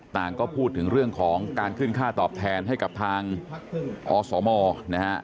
ก็พูดถึงเรื่องของการขึ้นค่าตอบแทนให้กับทางอสมนะฮะ